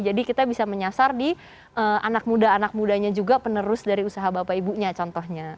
jadi kita bisa menyasar di anak muda anak mudanya juga penerus dari usaha bapak ibunya contohnya